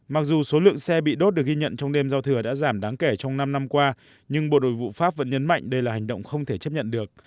mặc dù số lượng xe bị đốt được ghi nhận trong đêm giao thừa đã giảm đáng kể trong năm năm qua nhưng bộ đội vụ pháp vẫn nhấn mạnh đây là hành động không thể chấp nhận được